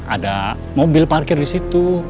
ada mobil parkir disitu